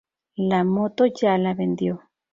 La moto ya la vendió.